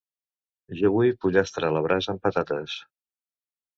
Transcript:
Jo vull pollastre a la brasa amb patates.